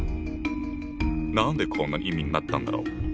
何でこんな意味になったんだろう？